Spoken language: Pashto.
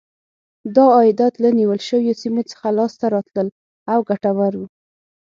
دا عایدات له نیول شویو سیمو څخه لاسته راتلل او ګټور و.